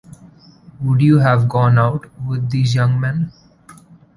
Would you have gone out with these young men?